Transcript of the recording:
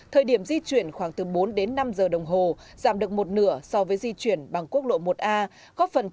thời điểm di chuyển khoảng từ bốn đến năm giờ đồng hồ giảm được một nửa so với di chuyển bằng quốc lộ một a